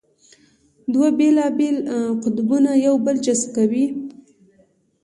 دوه بېلابېل قطبونه یو بل جذبه کوي.